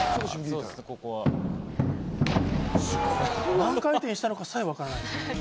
何回転したのかさえ、わかんない。